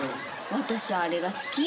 私あれが好きよ。